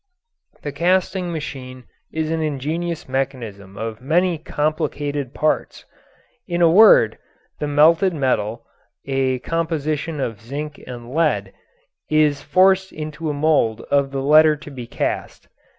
The casting machine is an ingenious mechanism of many complicated parts. In a word, the melted metal (a composition of zinc and lead) is forced into a mold of the letter to be cast.